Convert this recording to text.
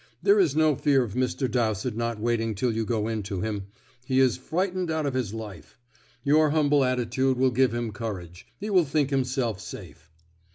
There is no fear of Mr. Dowsett not waiting till you go in to him; he is frightened out of his life. Your humble attitude will give him courage; he will think himself safe."